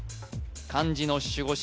漢字の守護神